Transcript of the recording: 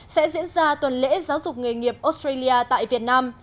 sẽ diễn ra tuần lễ giáo dục nghề nghiệp australia tại việt nam